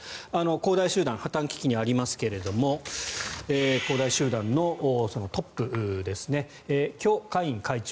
恒大集団破たん危機にありますけども恒大集団のトップですねキョ・カイン会長